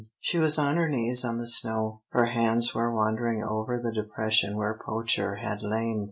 She was on her knees on the snow. Her hands were wandering over the depression where Poacher had lain.